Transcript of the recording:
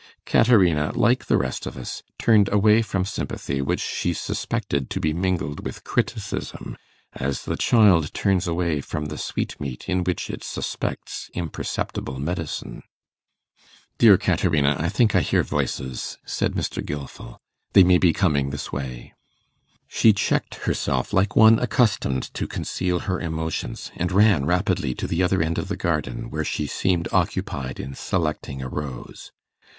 Caterina, like the rest of us, turned away from sympathy which she suspected to be mingled with criticism, as the child turns away from the sweetmeat in which it suspects imperceptible medicine. 'Dear Caterina, I think I hear voices,' said Mr. Gilfil; 'they may be coming this way.' She checked herself like one accustomed to conceal her emotions, and ran rapidly to the other end of the garden, where she seemed occupied in selecting a rose.